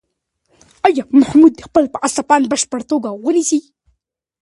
ایا محمود خان به اصفهان په بشپړه توګه ونیسي؟